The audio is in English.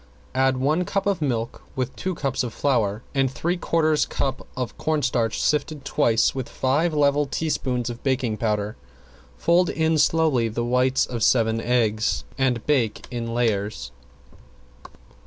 Add one cup of milk with two cups of flour and three quarters cup of cornstarch sifted twice with five level teaspoons of baking powder. Fold in slowly the whites of seven eggs and bake in layers.